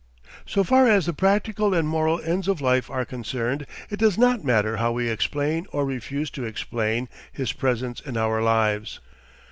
So far as the practical and moral ends of life are concerned, it does not matter how we explain or refuse to explain His presence in our lives.